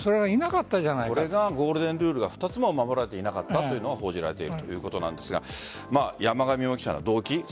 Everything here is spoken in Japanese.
ゴールデンルールの２つが守られていなかったということが報じられているということなんですが山上容疑者の動機